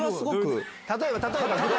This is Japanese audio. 例えば例えば？